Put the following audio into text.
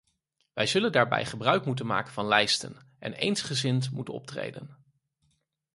We zullen daarbij gebruik moeten maken van lijsten en eensgezind moeten optreden.